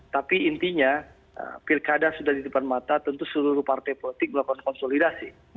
tapi intinya pilkada sudah di depan mata tentu seluruh partai politik melakukan konsolidasi